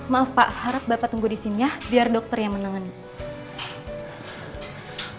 maaf pak harap bapak tunggu di sini ya biar dokter yang menangani